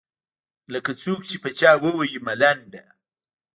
لکــــه څــوک چې په چـــا ووهي ملـــنډه.